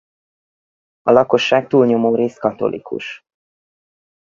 A lakosság túlnyomó részt katolikus.